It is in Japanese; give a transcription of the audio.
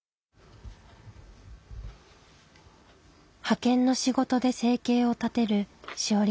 派遣の仕事で生計を立てる志織さん。